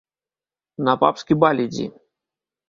На папскі баль ідзі!